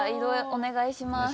お願いします。